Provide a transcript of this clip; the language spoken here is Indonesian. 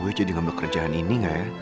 apa saya jadi yang mengambil kerjaan ini